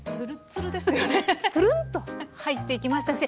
ツルンと入っていきましたし